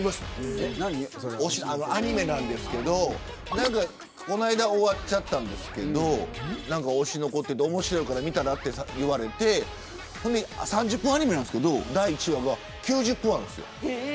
アニメなんですけどこの間終わっちゃったんですけど面白いから見たらと言われて３０分アニメなんですけど第１話が９０分あるんです。